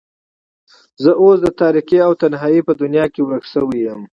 زه اوس د تاريکۍ او تنهايۍ په دنيا کې ورکه شوې يم.